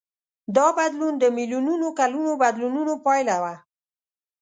دا بدلون د میلیونونو کلونو بدلونونو پایله وه.